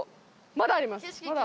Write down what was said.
まだありますほら。